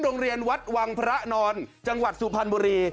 โรงเรียนวัดวังพระนอนจังหวัดสุพรรณบุรี